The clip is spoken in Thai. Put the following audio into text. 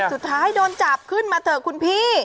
สุดท้ายโดนจับขึ้นมาเถอะคุณพี่